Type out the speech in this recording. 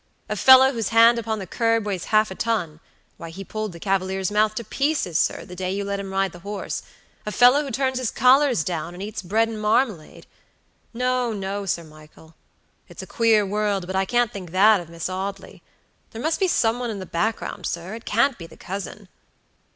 A fellow whose hand upon the curb weighs half a ton (why, he pulled the Cavalier's mouth to pieces, sir, the day you let him ride the horse); a fellow who turns his collars down, and eats bread and marmalade! No, no, Sir Michael; it's a queer world, but I can't think that of Miss Audley. There must be some one in the background, sir; it can't be the cousin."